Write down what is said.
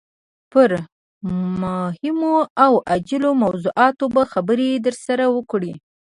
پر مهمو او عاجلو موضوعاتو به خبرې درسره وکړي.